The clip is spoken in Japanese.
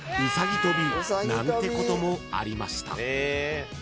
［なんてこともありました］